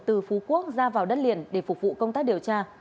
từ phú quốc ra vào đất liền để phục vụ công tác điều tra